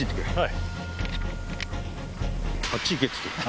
はい。